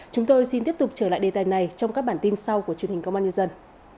chúng tôi xin tiếp tục trở lại đề tài này trong các bản tin sau của truyền hình công an nhân dân